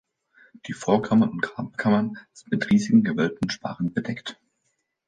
Die Vorkammer und Grabkammer sind mit riesigen gewölbten Sparren bedeckt.